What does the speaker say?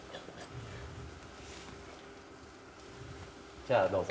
じゃあどうぞ。